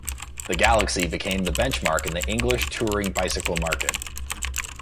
The Galaxy became the benchmark in the English touring bicycle market.